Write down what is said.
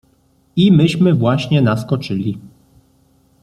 I myśmy właśnie naskoczyli.